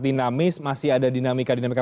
dinamis masih ada dinamika dinamika